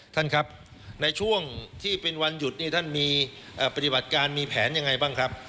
ท่านครับในช่วงที่เป็นวันหยุดนี่ท่านมีปฏิบัติการมีแผนยังไงบ้างครับ